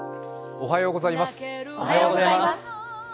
おはようございます。